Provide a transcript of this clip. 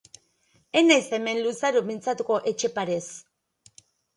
Ez naiz hemen luzaro mintzatuko Etxeparez.